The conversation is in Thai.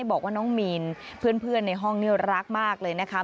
บอกว่าน้องมีนเพื่อนในห้องนี้รักมากเลยนะคะ